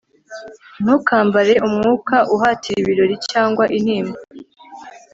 ntukambare umwuka uhatira ibirori cyangwa intimba